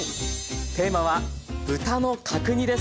テーマは豚の角煮です。